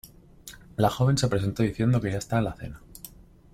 La joven se presentó diciendo que ya está la cena.